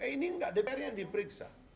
eh ini nggak dpr nya yang diperiksa